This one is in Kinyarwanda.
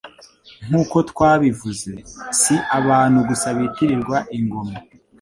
Nkuko twabivuze, si abantu gusa bitirirwa ingoma